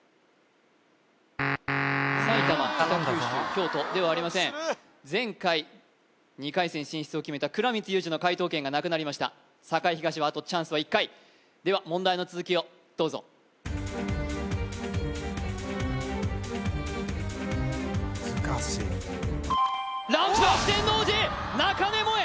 京都ではありません前回２回戦進出を決めた倉光勇志の解答権がなくなりました栄東はあとチャンスは１回では問題の続きをどうぞ難しいランプは四天王寺中根萌絵